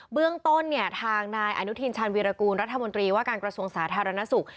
เบื้องต้นเนี่ยทางนายอนุทินชาญวีรกูลรัฐมนตรีว่าการกระทรวงสาธารณสุข